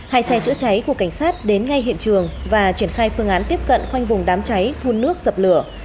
hai xe chữa cháy của cảnh sát đến ngay hiện trường và triển khai phương án tiếp cận khoanh vùng đám cháy phun nước dập lửa